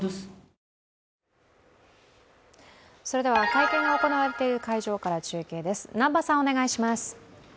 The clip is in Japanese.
会見が行われている会場から中継です。